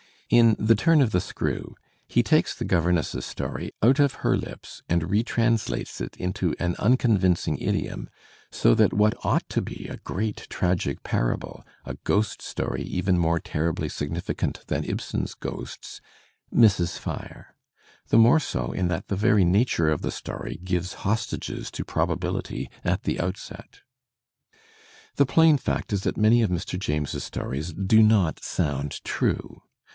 In "The Turn of the Screw" he takes the governess's story out of her lips and retranslates it into an unconvincing idiom, so that what ought to be a great tragic parable, a ghost story even more terribly significant than Ibsen's "Ghosts," misses fire; the more so in that the very nature of the story gives hostages to probabihty at the outset. The plain fact is that many of Mr. James's stories do not sound true.